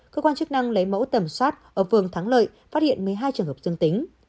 cơ quan chức năng lấy mẫu tẩm soát ở phường thắng lợi phát hiện một mươi hai trường hợp dương tính